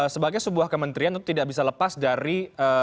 sebagai sebuah kementerian itu tidak bisa lepas dari